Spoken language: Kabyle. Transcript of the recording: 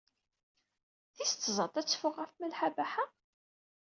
Tis tẓat ad teffeɣ ɣef Malḥa Baḥa?